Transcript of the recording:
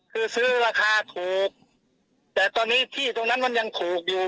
คือซื้อราคาถูกแต่ตอนนี้ที่ตรงนั้นมันยังถูกอยู่